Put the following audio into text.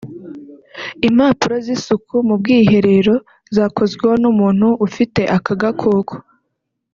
impapuro z’isuku mu bwiherero zakozweho n’umuntu ufite aka gakoko